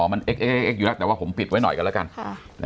อ๋อมันอยู่นะแต่ว่าผมปิดไว้หน่อยกันแล้วกัน